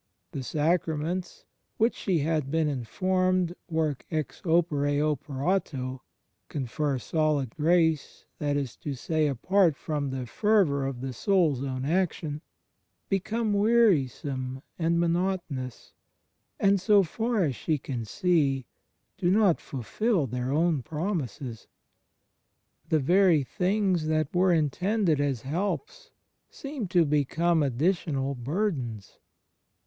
The sacraments, which, she has been informed, work ex opere operato —: (confer solid grace, that is to say, apart from the fer vour of the soul's own action) — become wearisome and monotonous, and, so far as she can see, do not fulfil their own promises. The very things that were intended as helps, seem to become additional burdens.